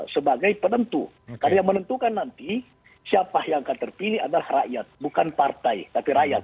sebagai penentu karena yang menentukan nanti siapa yang akan terpilih adalah rakyat bukan partai tapi rakyat